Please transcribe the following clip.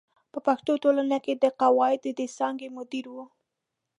په پښتو ټولنه کې د قواعدو د څانګې مدیر و.